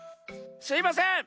すいません！